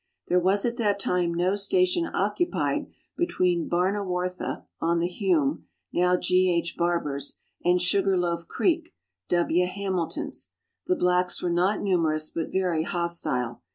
There was at that time no station occupied between Barnawartha, on the Hume (now G. H. Bar bers), and Sugarloaf Creek (W. Hamilton's). The blacks were not numerous, but very hostile.